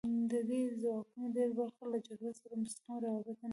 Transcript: د دې ځواکونو ډېره برخه له جګړې سره مستقیمه رابطه نه لري